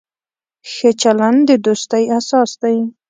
ښه چلند د دوستۍ اساس دی.